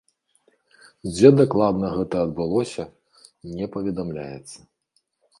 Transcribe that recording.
Дзе дакладна гэта адбылося, не паведамляецца.